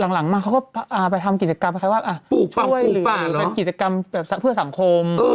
หลังมาเขาก็ไปทำกิจกรรมใครว่าช่วยหรือเป็นกิจกรรมเพื่อสังคม